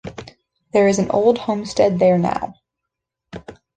There is an old homestead there now.